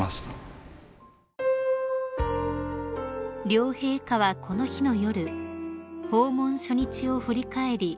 ［両陛下はこの日の夜訪問初日を振り返り